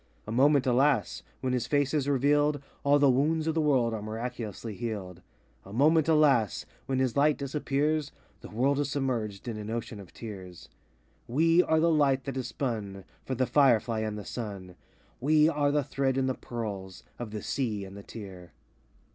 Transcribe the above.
A moment, alas! When his face is revealed, All the wounds of the world are miraculously healed. A moment, alas! When his light disappears, The world is submerged in an ocean of tears. We are the light that is spun For the firefly and the sun; We are the thread in the pearls Of the sea and the tear.